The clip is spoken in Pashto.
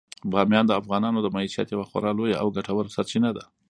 بامیان د افغانانو د معیشت یوه خورا لویه او ګټوره سرچینه ده.